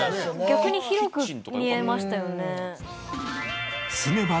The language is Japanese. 逆に広く見えましたよね。